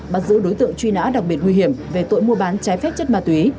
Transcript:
bắt giữ đối tượng truy nã đặc biệt nguy hiểm về tội mua bán trái phép chất ma túy